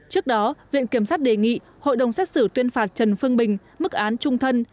trước đó viện kiểm sát đề nghị hội đồng xét xử tuyên phạt trần phương bình mức án trung thân